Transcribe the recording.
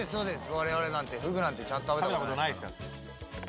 我々なんてフグなんてちゃんと食べたことないですから。